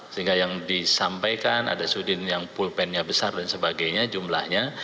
sehingga yang disampaikan ada sudin yang pulpennya besar dan sebagainya jumlahnya